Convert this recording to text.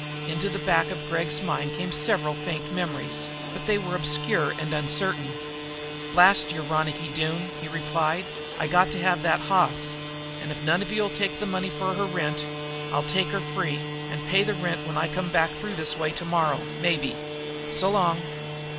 Into the back of Gregg's mind came several faint memories, but they were obscure and uncertain. "Blast your Ronicky Doone!" he replied. "I got to have that hoss, and, if none of you'll take money for her rent, I'll take her free and pay her rent when I come through this way tomorrow, maybe. S'long!"